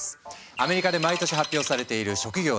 アメリカで毎年発表されている職業の魅力度